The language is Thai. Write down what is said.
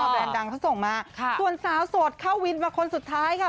แนนดังเขาส่งมาส่วนสาวโสดเข้าวินมาคนสุดท้ายค่ะ